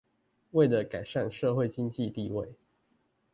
為了改善社會經濟地位